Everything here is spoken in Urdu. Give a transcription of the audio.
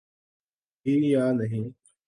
بھی یا نہیں۔